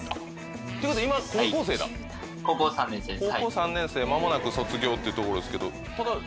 高校３年生間もなく卒業というところですけどただ。